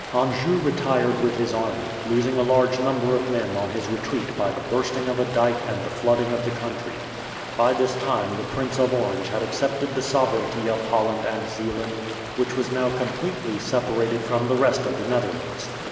Anjou retired with his army, losing a large number of men on his retreat by the bursting of a dyke and the flooding of the country. By this time the Prince of Orange had accepted the sovereignty of Holland and Zeeland, which was now completely separated from the rest of the Netherlands.